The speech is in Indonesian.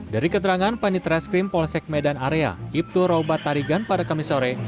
dari keterangan panitra skrim polsek medan area ibtu robat tarigan pada kamis sore